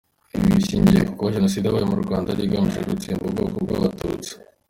Ibi bishingiye ku kuba Jenoside yabaye mu Rwanda yari igamije gutsemba ubwoko bw’Abatutsi.